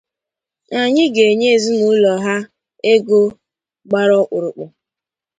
anyị ga-enye ezinaụlọ ha ego gbara ọkpụrụkpụ